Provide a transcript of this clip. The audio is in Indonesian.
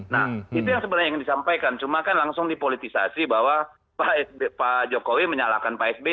nah itu yang sebenarnya yang disampaikan cuma kan langsung dipolitisasi bahwa pak jokowi menyalahkan pak sby